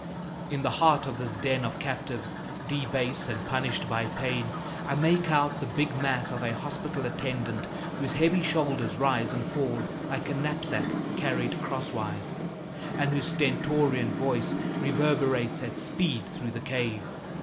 In the heart of this den of captives, debased and punished by pain, I make out the big mass of a hospital attendant whose heavy shoulders rise and fall like a knapsack carried crosswise, and whose stentorian voice reverberates at speed through the cave.